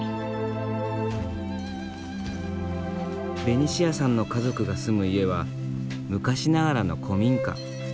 ベニシアさんの家族が住む家は昔ながらの古民家。